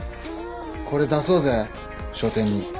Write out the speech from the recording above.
これ出そうぜ書展に。